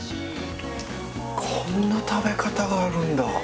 こんな食べ方があるんだ。